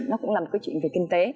nó cũng là một cái chuyện về kinh tế